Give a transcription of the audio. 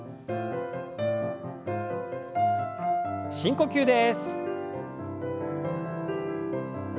深呼吸です。